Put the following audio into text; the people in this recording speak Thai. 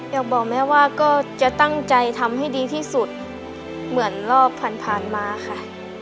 อยากบอกแม่ว่าก็จะตั้งใจทำให้ดีที่สุดเหมือนรอบผ่านผ่านมาค่ะ